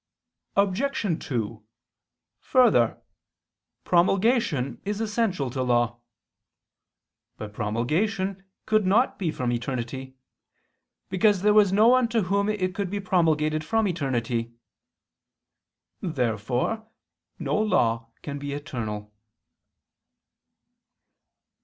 Obj. 2: Further, promulgation is essential to law. But promulgation could not be from eternity: because there was no one to whom it could be promulgated from eternity. Therefore no law can be eternal.